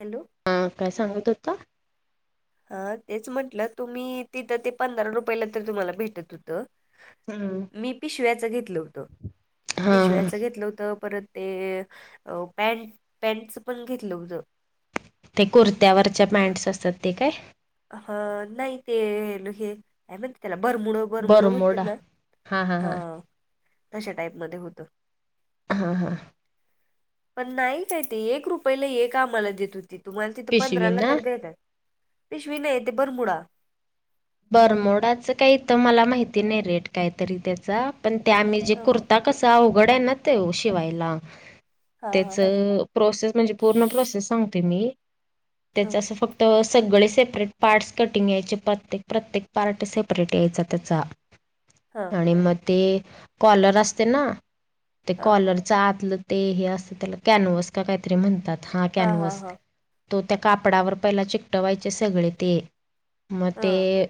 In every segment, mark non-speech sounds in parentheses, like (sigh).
Hello,, हा, काय सांगत होता? हा, तेच म्हटलं, तुम्ही तिथं ते पंधरा रुपयला तर तुम्हाला भेटत होतंऽ हम्म. मी पिशव्याचं घेतलं होत,, हा हा पिशव्याचं घेतलं होतं,, परतऽ ते पॅन्ट, पॅनटच पण घेतलं होतं. ते कुर्त्यावरच्या पॅन्ट्स असतात ते काय? ह, नाही ते लु हेे काय म्हणतेत त्याला, बर मुडऽ वरमुड बरमोडा म्हणतात ना,, हा,, तशा टाईपमध्ये होतं. हा, हा, पण नाही काय ते,, ते एक रुपयला एक आम्हाला देत होतीत,, तुम्हाला तिथं पिशवी पंधराला ना तर देतात. पिश्वी नाही ते भर मुडा. बरमोडाच काहीथं मला माहिती नाही रेट,, काहीतरी त्याचा, पण ते आम्ही जे हा कुर्ऽ त कसा अवघडाय ना तो शिवायला,, हा त्याचऽ प्रोसेस म्हणजे पूर्ण प्रोसेस सांगते मी,, हा त्याचं असं फक्तऽ तर सगळे सेपरेट पार्ट्स कटिंग यायचे पत्तेऽ प्रत्येक पार्ट सेपरेट यायचा त्याचा,, हा आणि मगऽ ते कॉलर असते ना,, ते हा कॉलरऽ च आतलं ते हे असत त्याला कॅनवस का काहीतरी म्हणतात,, हा कॅनवसऽ तो त्या कापडावर पहिला चिकटवायचे सगळे ते,, मग हा तेऽ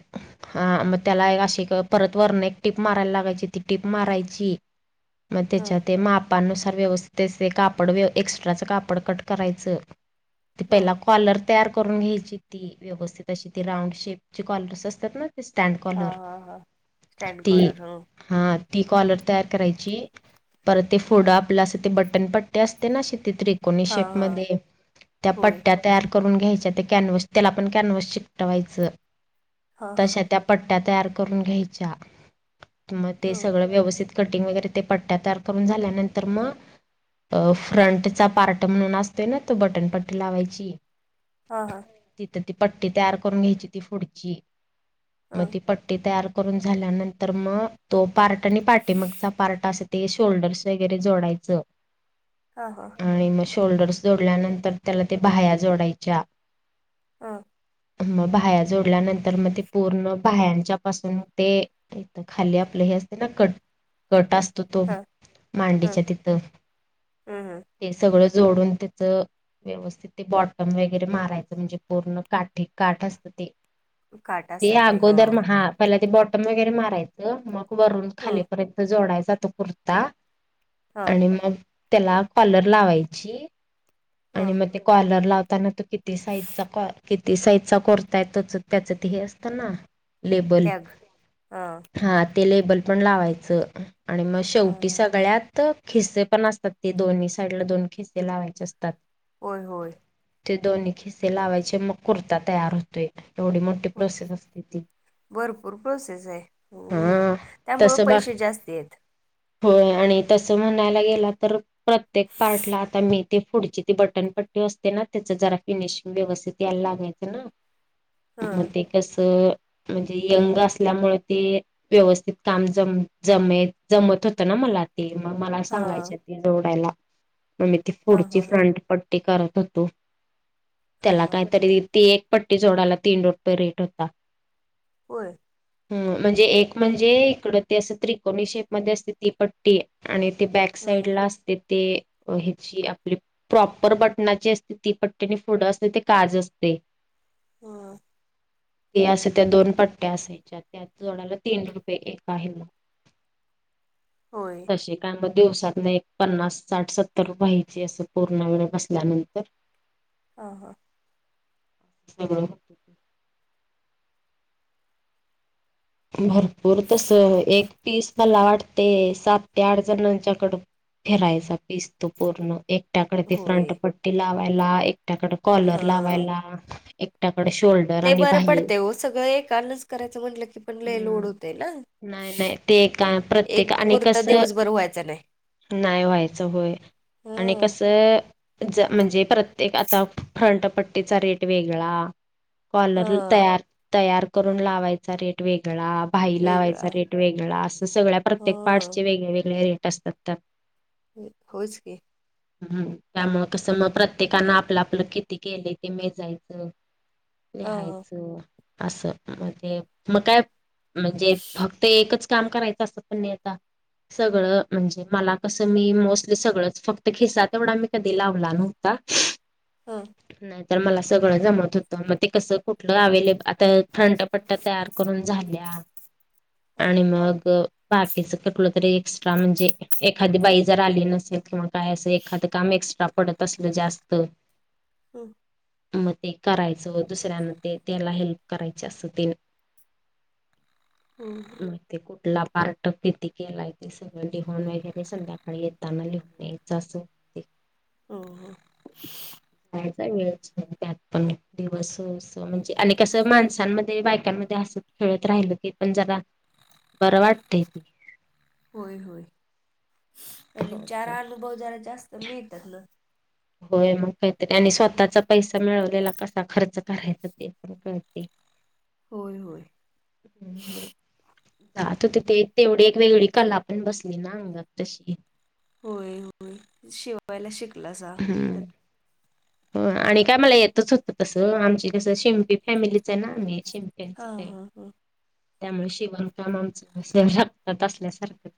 हा,, मग त्याला अशी परत वरन एक टीप मारायला लागायची ती टीप मारायची, मग हा तेच्या ते माऽ मापानुसार व्यवस्थीत ते कापड एक्सट्राच कापड कट करायच,, ते पऽ कॉलर तयार करून घ्यायची ती,, व्यवस्थित अशी ती राऊंड शेपचे कॉलरस असतात नाऽ स्टँड हा कॉलर,, हा हा स्टँड ती,, कॉलर ह. हा ती कॉलर तयार करायचीऽ पर ते फोडं आपलं असं ते बटन पट्टे असते ना शेतीत रिक्त हा एकोणीशे हा मध्ये त्या होय पट्ट्यात तयार करून घ्यायच्या ते कॅन्व्हस त्याला पण कॅन्व्हस शिकटवायचं हा हा तशा त्या पट्ट्या तयार करून घ्यायच्या मग ते ह सगळं व्यवस्थित कटिंग वगैरे ते पट्ट्या तयार करून झाल्यानंतर मग अ फ्रंटचा पार्ट म्हणून असतोय ना तो बटनपट्टी लावायची हां ह तिथं ती पट्टी तयार करून घ्यायची ती फ पुडची ह मग ती पट्टी तयार करून झाल्यानंतर मग तो पार्ट आणि पाटे मगचा पार्ट अस ते शोल्डर्स वगैरे जोडायचं (unintelligible) हा हा आणि मग शोल्डर्स जोडल्यानंतर त्याला ते बाया्या जोडायच्या हा मग बाया्या जोडल्यानंतर मग ते पूर्ण बायाच्या पासून ते नाही तर खाली आपलं हे असते ना कट कट असत तो ह ह मांडीच्या तिथं ह ह ते सगळं जोडून त्याच व्यवस्थित ते बॉटम वगैरे मारायचं म्हणजे पूर्ण काठी काठ असतं ते काटा ते असतात ह अगोदर महा पहिला ते बॉटम वगैरे मारायचं मग वरून ह खालीपर्यंत जोडायचातो पुरत ह आणि मग त्याला कॉलर लावायची आणि ह मग ते कॉर्लर लावताना तो किती किती साईजचा किती साईजचा कुर्ताय त्या त्याच ते हे असतं ना लेबल टॅग ह हा ते लेबल पण लावायचं. आणि मग शेवटी ह सगळ्यात खिस्से पण असतात ते दोन्ही साईडला दोन खिस्से लावायचे अस तात. होय होय. ते दोन्ही खिसे लावायचे मग कुर्ता तयार होतोय एवढी मोठी होते प्रोसेस असते ती. भरपूर प्रोसेस आहे हा त्यामुळ तसं बघ पैसे जास्त आहेत. होय आणि तसं म्हणायला गेला तर प्रत्येक पार्टला आता मी ते फूड ची ती बटनपट्टी असते ना त्याच जरा फिनिशिंग व्यवस्थित यायला लागायचं ना. ह मग ते कसं म्हणजे यंग असल्यामुळे ते व्यवस्थित काम ज जम जमत होतं ना मला. ते मग मला हा सांगायचे ते जोवडायला मग मी ते हा फूड हा ह पट्टी करत होतो. हा त्याला हा काहीतरी ती एक पट्टी जोडायला तीन रुपये रेट होता. होय. हम्म म्हणजे एक म्हणजे इकड ते असं त्रिकोणीस शेप मध्ये असते ती पट्टी. आणि ते बॅक ह साइड ला असते ते हेची प्रॉपर बटनाची असते ती पट्टीने फुढं असते ते काज असते. हा. ते असं त्या दोन पट्ट्या असायच्या त्यात जोडाला तीन रुपये एक आहे मग. (inaudible) होय. तसे काय मग दिवसात न एक पन्नास साठ सत्तर रुपय हाईत. चे असं पूर्ण वेळ बसल्यानंतर हां हां. सगळं भरपूर तस एक पीस मला वाटते सात ते आठ जणांच्याकड फिरायसाठी इसतो पूर्ण एक. एकट्याकडे ते होय फ्रंट पट्टी लावायला एकट्याकडे हा कॉलर लावायला एकट्याकडे शो ते बरं पडतय हो सगळं एकानच करायचं म्हटलं की पण लई लोड हम्म होतय ना नाही नाही ते काय प्रत्येक एक आणि कुर्ता कसं दिवसभर व्हायचा नाही. नाही व्हायचं होय आणि हं कसं ज म्हणजे प्रत्येक आता फ्रंटपट्टीचा रेट वेगळा कॉलर हा तयार तयार करून लावायचा रेट वेगळा भाई वेगळा लावायचा रेट वेगळा असं सगळ्या हा प्रत्येक पार्टचे वेगळे वेगळे रेट असतात त्या होयच की. हम्म त्यामुळ कस मग प्रत्येकान आपलं आपलं किती केलंय ते मेजायचं. हा हा लिहायचं असं असं ते मग काय म्हणजे फक्त एकच काम करायचं अस पण नाही आता. सगळं म्हणजे मला कसं मी मोस्टली सगळंच फक्त खिसा तेवढा मी कधी लावला नव्ह ता. हा नाही तर मला सगळं जमत होतं मग ते कसं कुठलं अवेलेबल आता फ्रंट पट्यात तयार करून झाल्या हा आणि मग बाकीच कुठलं तरी एक म्हणजे एखादी बाई जर आली नसेल किंवा काय असं एखादं काम एक्स्ट्रा पडत असल जास्त ह मग ते करायचं दुसऱ्यांन त्याला हेल्प करायच असं ते हो हम्म ते कुठला पार्ट किती केलाय ते सगळं लिहून वगैरे संध्याकाळी येताना लिहून यायचं असं एक हो हो. (inaudible) जायचा वेळच त्यात पण दिवस म्हणजे आणि कसं माणसांमध्ये, बायकांमध्ये अस खेळत राहिलं ते पण जरा बरं वाटतय होय होय आणि हो चार तर अनुभव जरा जास्त मिळतात ना होय मग काहीतरी आणि स्वतःचा पैसा मिळवलेला कसा खर्च करायचा ते करते. होय होय. हम्म हा तर तिथे तेवढी एक वेगळी कला पण बसली ना अंगात तशी होय होय शिवायला शिकलासा त्यात हम्म आणि काय मला येतच होतं तसं आमची कसं शिंपी फॅमिलीच आहे ना आम्ही शि च हा ते हा हा त्यामुळे शिवण काम आमच रक्तात असल्यासारखं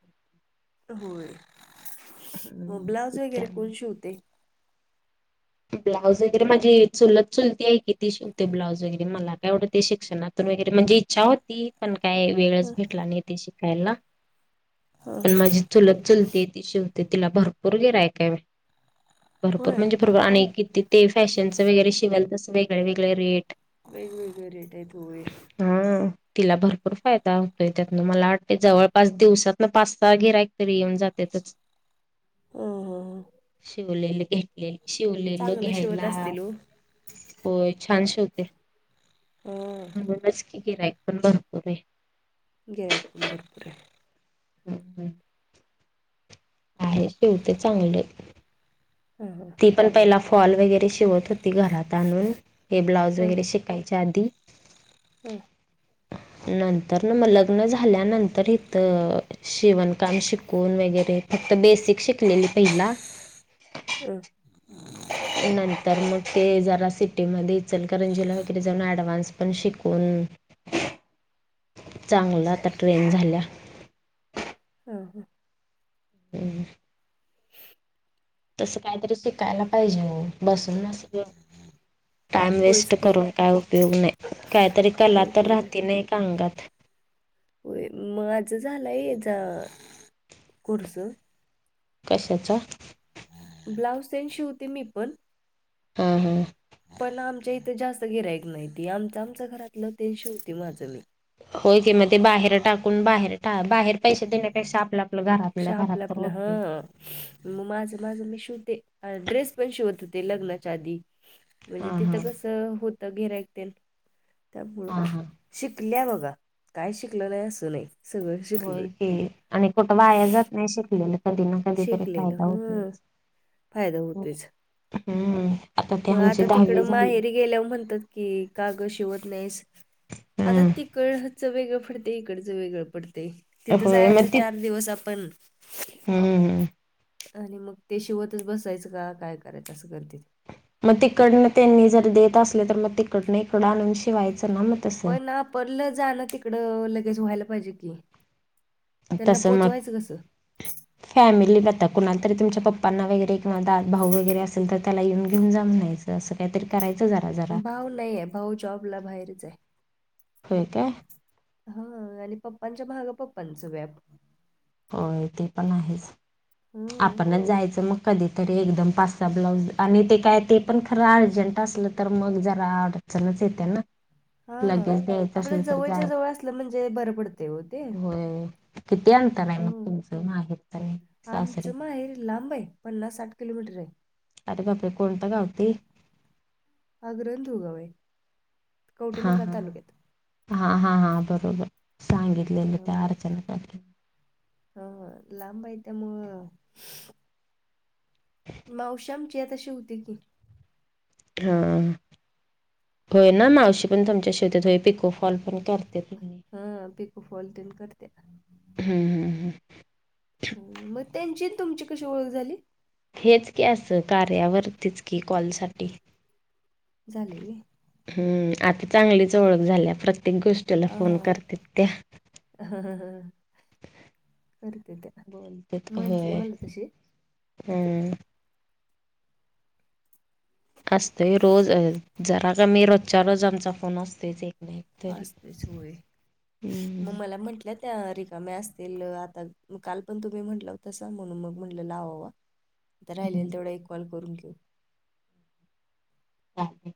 होय मग हम्म, ब्लाउज वगैरे कोण त्यामुळे शिवतय? ब्लाऊज वगैरे माझी चुलत चुलती आहे कि तिची ते ब्लाउज वगैरे मला कायं एवढं ते शिक्षणातून वगैरे म्हणजे इच्छा होती पण काय ह वेळच भेटला नाहीे ते शिकायला ह पण माझी चुलत चुलते ती शिव ते तिला भरपूर गिराईक काय भरपूर होय म्हणजे पूर आणि किती ते फॅशनचं वगैरे शिवल तस वेगळ वेगळे रेट वेगवेेगळे रेट आहेत होय. हा. तिला भरपूर फायदा होतोय त्यातन मला वाटतय जवळपास दिवसातन पाच सहा गिराईक तरी येऊन जात्यातच. (inaudible) ह ह शिवलेलं घेतले शिवलेलं चांगलं शिवत घ्यायला असतील हो होय छान शिव हो. म्हणूनच की गिरायक पण भरपूर आहेत. गिराईक पण भरपूर आहेत. हम्म हम्म आहे शेवटी चांगलं ह हा ी पण पहिला फॉल वगैरे शिवत होती घरात आणून हे ब्लाऊज वगैरे शिकायच्या आधी ह नंतर न मग लग्न झाल्यानंतर इथं शिवणकाम शिकून वगैरे फक्त बेसिक शिकलेली पहिला हम ह नंतर मग ते जरा सिटीमध्ये इचल करंजीला वगैरे जाऊन ऍडव्हान्स पण शिकून चांगलं आता ट्रेन झाल्या हो हो हम् तसं काहीतरी शिकायला पाहिजे हो बसून न टाईम होयच वेस्ट की करून काय उपयोग नाही काहीतरी काय कला तर उपयोग राहती नाही का अांगात होय म माझं झालंयचा खुरस कशाचा ब्लाऊज सन शिवते मी पण हा हा पण आमच्या इथे जास्त गिरायक नाहीती आमच आमच घरातलं ते श होती माझं मी होय कि मग ते बाहेर टाकून बाहेर बाहेर पैसे देण्यापेक्षा आपल्या आपलं घर श- आपल्या घरात आपलं तर आपलं हा होते मग माझं माझं मी शिवते ड्रेस पण शिवत होते लग्नाच्या आधी म्हणजे हां तिथं हां कसं होत घेर ऐकतील त्यामुळं हा हा शिकल्या बघा का शिकलले असून सगळ शिकलो होय की आणि कुठं वाया जात नाही शिकलेलं कधी ना कधी तरी शिकलेलं फायदा होतो हं फायदा होतोयच हम्म ते मग आमची आता दहावी तिकडं झाली. माहेरी गेल्यावर म्हणतात कि काग शिवत नाहीस आता हम्म तिकड च वेगळं पडते इकडचं वेगळं पडते तिथं होय जायचं चार दिवस आपण हम हम आणि मग ते शेवतच बसायचं का काय करायचं असं करते ते मग तिकडनं त्यांनी जर देत असले तर मग तिकडनं इकडं आणून शिवायचं ना मग तसं. पण परलं जा ना तिकडं लगेच व्हायला पाहिजे कि तसं मग फॅमिली जता कणाला तरी तमच्या पप्पा पण्ना वगैरेिंवा दात भाऊ वगैरे असेल तर त्याला येऊन घेऊन जान्यायचं असं काहीत कयचंच भाऊ नाही आहे भाऊ जॉब ला बाहेरच आहे होय काय हा आणि पप्पांच्या महागा पप्पांच व्याप होय ते पण आहेच हम्म आपणच जायचं मग कधीतरी एकदम पाच स ब्लाऊज आणि ते काय ते पण खरं अर्जंट असलं तर मग जरा अर्ड अलच येते ना हा लगेच द्यायचं आपल्या असलं तर जवळच्या जाय जवळ असलं म्हणजे बरं पडते हो ते होय किती आणंतर आहे मग हम्म. तुमचं आहेर तर सासरे हर लाबाई पन्स साठ किलोमीटर आहे अरे बापरे कोणता गावते हा ग्रंथु कावे हा हा ह हा हा हा बरोबर सांगितलेलं त्या अर्चण हा लांबा इ त्या मग मावश्यामचीतशी होतील ती हा होय ना मावशी पण तमच्या शेवतीत होय पिकोफॉल पण करते तुम्ही हा पिकू फॉलदन करते्या हम्म हम्म हम्म. मग त्यांची तुमची कशी ओळख झाली हेच की असं कार्यावरतीच की कॉलसाठी झाली गे हम्म आता चांगलीच ओळख झाल्या प्रत्येक गोष्टीला फोन करते त्या ह ह खर ते त्या म्हटली मला तशी हम् असतोय रोज जरा का मी रोजच्या रोज आमचा फोन असतोयच एक नाही असतेच होय मग मला म्हटल्यात त्या रिकाम्या असतील आता काल पण तुम्ही म्हटलं होतसा म्हणून मग म्हटलं लावावा आता राहिलेल हम्म तेवढा एक कॉल करून घेऊ हां